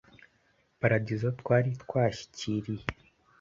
Paradizo twari twashyikiriye.